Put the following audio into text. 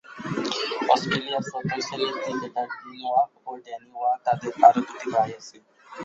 অস্ট্রেলিয়ার প্রথম-শ্রেণীর cricketer Dean Waugh ও ড্যানি ওয়াহ তাদের আরো দুই ভাই আছে।